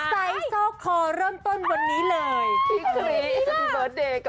ไซซ์โซ่คอเริ่มต้นวันนี้เลย